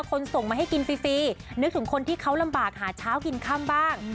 ส่งมาให้กินฟรีนึกถึงคนที่เขาลำบากหาเช้ากินค่ำบ้าง